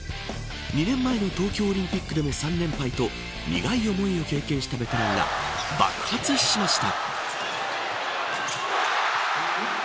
２年前の東京オリンピックでも３連敗と苦い思いを経験したベテランが爆発しました。